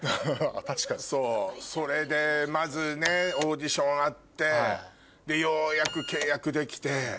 そうそれでまずねオーディションあってでようやく契約できて。